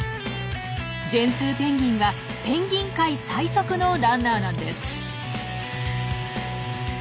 ジェンツーペンギンはペンギン界最速のランナーなんです。